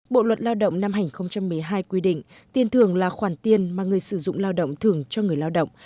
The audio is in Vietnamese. bộ luật lao động năm hai nghìn một mươi hai quy định tiền thưởng là khoản tiền mà người sử dụng lao động thưởng cho người lao động